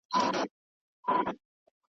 مګر رود بله چاره نه سي میندلای .